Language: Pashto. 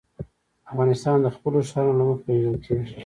افغانستان د خپلو ښارونو له مخې پېژندل کېږي.